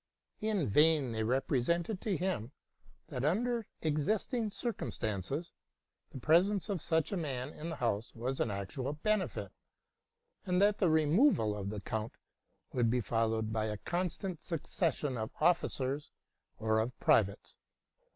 In vain they represented to him, that, under existing cireum stanees, the presence of such a man in the house was an actual benefit, and that the removal of the count would be followed by a constant succession of officers or of privates.